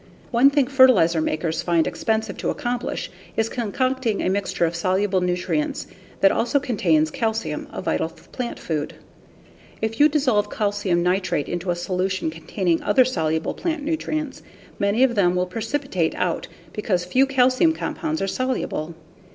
One thing fertilizer makers find expensive to accomplish is concocting a mixture of soluble nutrients that also contains calcium, a vital plant food. If you dissolve calcium nitrate into a solution containing other soluble plant nutrients, many of them will precipitate out because few calcium compounds are soluble.